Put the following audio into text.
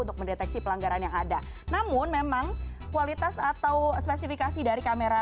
untuk mendeteksi pelanggaran yang ada namun memang kualitas atau spesifikasi dari kamera